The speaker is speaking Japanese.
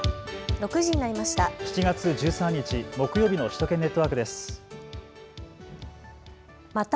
６時になりました。